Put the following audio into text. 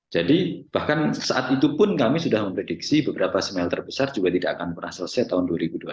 jadi bahkan saat itu pun kami sudah memprediksi beberapa semel terbesar juga tidak akan pernah selesai tahun dua ribu dua puluh tiga